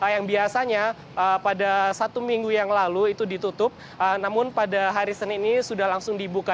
yang biasanya pada satu minggu yang lalu itu ditutup namun pada hari senin ini sudah langsung dibuka